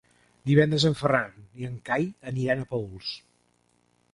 Divendres en Ferran i en Cai aniran a Paüls.